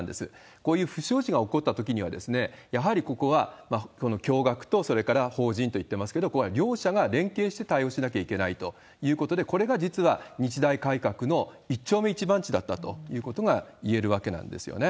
こういう不祥事が起こったときには、やはりここは、共学と、法人といっていますけれども、これは両者が連携して対応しなきゃいけないということで、これが実は日大改革の一丁目一番地だったということがいえるわけなんですよね。